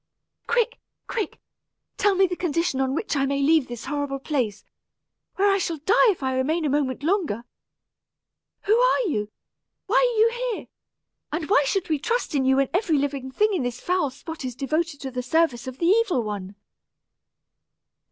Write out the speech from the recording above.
"Quick quick! tell me the condition on which I may leave this horrible place, where I shall die if I remain a moment longer. Who are you? why are you here? and why should we trust in you when every living thing in this foul spot is devoted to the service of the evil one?"